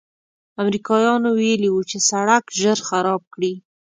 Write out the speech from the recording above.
امریکایانو ویلي و چې سړک ژر خراب کړي.